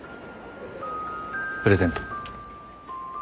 プレゼント。